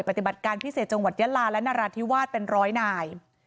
ปฏิบัติการพิเศษจังหวัดยะลาและนราธิวาสเป็นร้อยนาย